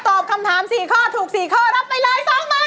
ตอบคำถาม๔ข้อถูก๔ข้อรับไปเลย๒๐๐๐